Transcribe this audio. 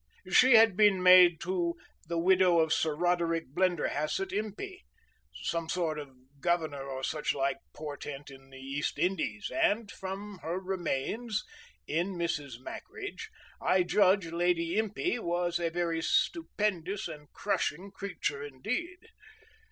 She had been maid to the widow of Sir Roderick Blenderhasset Impey, some sort of governor or such like portent in the East Indies, and from her remains—in Mrs. Mackridge—I judge Lady Impey was a very stupendous and crushing creature indeed.